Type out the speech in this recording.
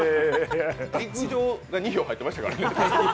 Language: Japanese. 陸上、２票入ってましたから。